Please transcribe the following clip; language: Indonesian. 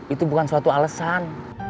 itu bukan suatu alesan